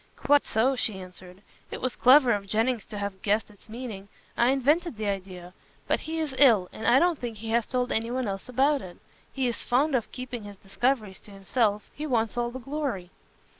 "Quite so," she answered, "it was clever of Jennings to have guessed its meaning. I invented the idea. But he is ill, and I don't think he has told anyone else about it. He is fond of keeping his discoveries to himself. He wants all the glory."